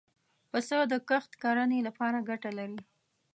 پسه د کښت کرنې له پاره ګټه لري.